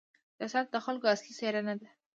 سیاست د خلکو اصلي څېره نه ده.